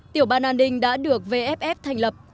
tiểu ban an ninh đã được vff thành lập